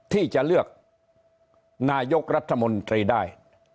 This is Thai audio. ที่จะเลือกนายกรัฐมนตรีได้